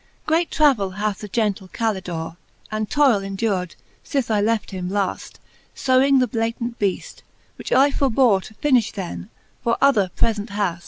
n. Great travell hath the gentle Calidore, And toyle endured, fith I left him laft Sewing the Blatant Beajl, which I forbore To finifh then, for other prefent haft.